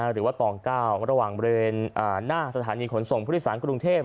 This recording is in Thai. หรือว่าตอง๙ระหว่างบริเวณหน้าสถานีขนส่งผู้โดยสารกรุงเทพ